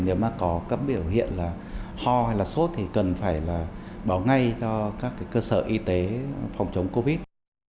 nếu mà có cấm biểu hiện là ho hay là sốt thì cần phải là báo ngay cho các cơ sở y tế phòng chống covid